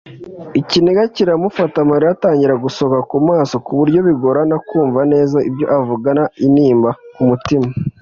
ikiniga kiramufata amarira agatangira gushoka ku maso ku buryo bigorana kumva neza ibyo avugana intimba ku mutima